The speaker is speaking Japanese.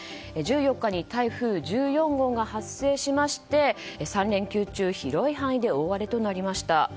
１４日に台風１４号が発生しまして３連休中広い範囲で大荒れとなりました。